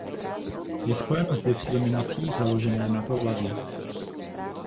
Je spojeno s diskriminací založené na pohlaví.